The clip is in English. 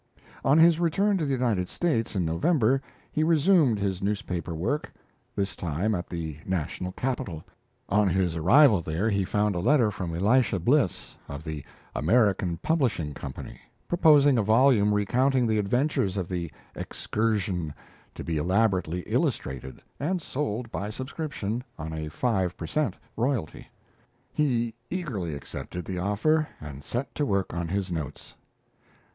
On his return to the United States in November, he resumed his newspaper work, this time at the National Capital. On his arrival there he found a letter from Elisha Bliss, of the 'American Publishing Company', proposing a volume recounting the adventures of the "Excursion," to be elaborately illustrated, and sold by subscription on a five per cent. royalty. He eagerly accepted the offer and set to work on his notes.